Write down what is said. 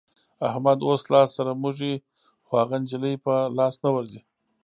احمد اوس لاس سره موږي خو هغه نجلۍ په لاس نه ورځي.